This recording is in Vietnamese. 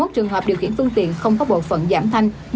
hai mươi trường hợp điều khiển phương tiện không có bộ phận giảm thanh